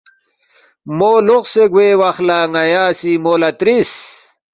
مو لوقسے گوے وخ لہ ن٘یا سی مو لہ ترِس